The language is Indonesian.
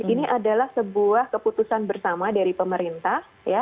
ini adalah sebuah keputusan bersama dari pemerintah